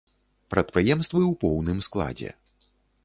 Прадпрыемствы ў поўным складзе.